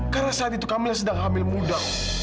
karena saat itu kamilah sedang hamil muda